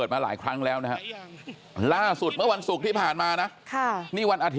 สวยชีวิตทั้งคู่ก็ออกมาไม่ได้อีกเลยครับ